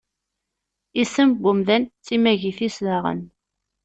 Isem n umdan d timagit-is daɣen.